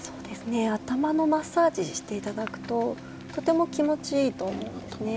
頭のマッサージをしていただくととても気持ちいいと思うんですね。